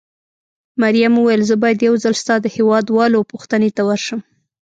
مريم وویل: زه باید یو ځل ستا د هېواد والاو پوښتنې ته ورشم.